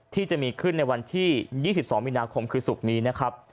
ที่จะมีขึ้นในวันที่๒๒มีนาคมคือศุกร์นี้นะครับ